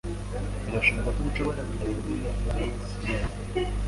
Birashoboka ko nshobora kugera kuri Jivency nonaha.